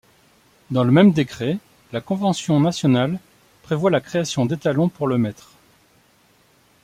Dans le même décret, la Convention nationale prévoit la création d'étalons pour le mètre.